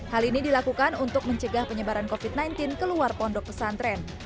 hal ini dilakukan untuk mencegah penyebaran covid sembilan belas keluar pondok pesantren